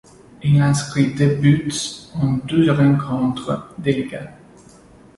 Il inscrit deux buts en douze rencontres de Liga.